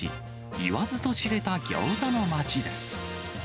言わずと知れたギョーザの町です。